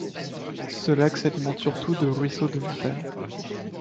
Ce lac s’alimente surtout de ruisseaux de montagnes.